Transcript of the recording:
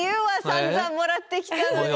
さんざんもらってきたのに。